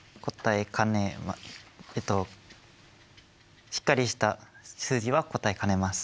えっとしっかりした数字は答えかねます。